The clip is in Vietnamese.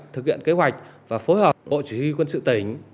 thực hiện kế hoạch và phối hợp bộ chỉ huy quân sự tỉnh